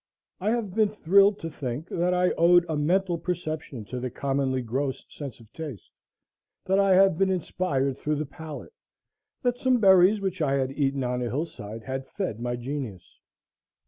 I have been thrilled to think that I owed a mental perception to the commonly gross sense of taste, that I have been inspired through the palate, that some berries which I had eaten on a hill side had fed my genius.